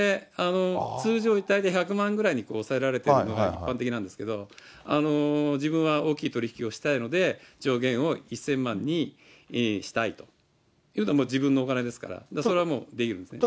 通常、１００万円ぐらいにおさえられているのが一般的なんですけど、自分は大きい取り引きをしたいので、上限を１０００万にしたいというのは、自分のお金ですから、それはもうできるんですね。